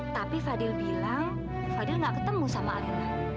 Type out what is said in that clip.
tapi fadil bilang fadil gak ketemu sama alena